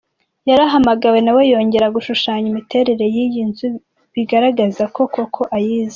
Yarahamagawe nawe yongera gushushanya imiterere y’iyi nzu bigaragaza ko koko ayizi.